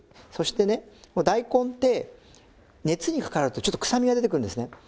そしてね大根って熱にかかるとちょっと臭みが出てくるんですね。